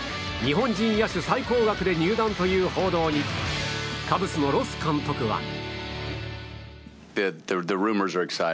日本人野手最高額で入団という報道にカブスのロス監督は。